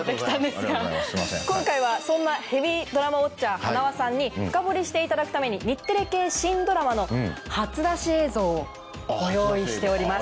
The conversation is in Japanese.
今回はそんなヘビードラマウオッチャー塙さんに深掘りしていただくために日テレ系新ドラマの初出し映像をご用意しております。